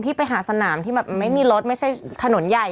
ไปหาสนามที่แบบไม่มีรถไม่ใช่ถนนใหญ่